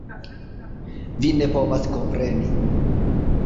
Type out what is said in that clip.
Vi ne povas kompreni.